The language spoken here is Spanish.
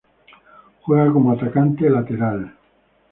Juega como atacante lateral.